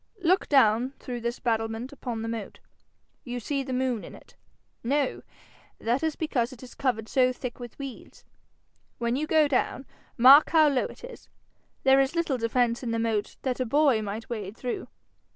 Look down through this battlement upon the moat. You see the moon in it? No? That is because it is covered so thick with weeds. When you go down, mark how low it is. There is little defence in the moat that a boy might wade through.